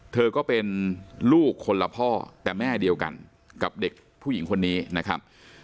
เธอก็เป็นลูกคนละพ่อแต่แม่เดียวกันกับเด็กผู้หญิงคนนี้นะครับ